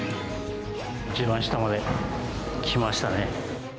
一番下まで来ましたね。